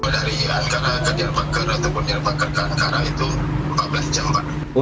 dan karena kejadian pangker ataupun pangker ke ankara itu empat belas jam pak